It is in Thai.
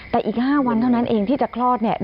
แต่อีก๕วันเท่านั้นเองที่จะคลอดเนี่ย